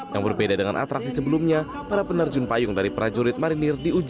yang berbeda dengan atraksi sebelumnya para penerjun payung dari prajurit marinir diuji